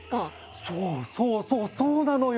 そうそうそうそうなのよ！